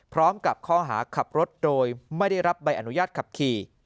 พร้อมกับข้อหาขับรถโดยไม่ได้รับใบอนุญาตขับขี่